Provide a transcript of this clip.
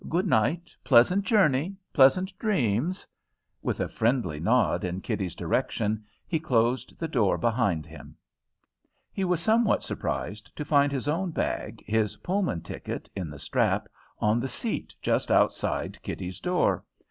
"Good night! Pleasant journey! Pleasant dreams!" With a friendly nod in Kitty's direction he closed the door behind him. He was somewhat surprised to find his own bag, his Pullman ticket in the strap, on the seat just outside Kitty's door.